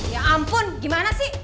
ya ampun gimana sih